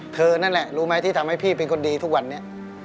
นั่นแหละรู้ไหมที่ทำให้พี่เป็นคนดีทุกวันนี้